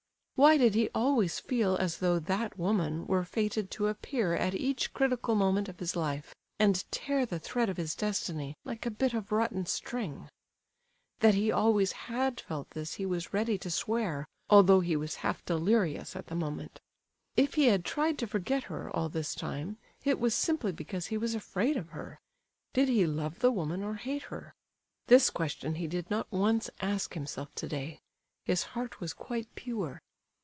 Why did he always feel as though "that woman" were fated to appear at each critical moment of his life, and tear the thread of his destiny like a bit of rotten string? That he always had felt this he was ready to swear, although he was half delirious at the moment. If he had tried to forget her, all this time, it was simply because he was afraid of her. Did he love the woman or hate her? This question he did not once ask himself today; his heart was quite pure.